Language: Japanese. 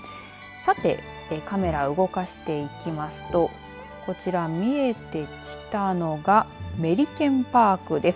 さて、カメラ動かしていきますとこちら見えてきたのかがメリケンパークです。